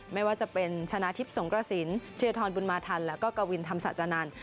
ไม่ว่าจะเป็นชนะทิพย์สงกระสินเทียทรบุญมาทันแล้วก็กวินธรรมศาจานันทร์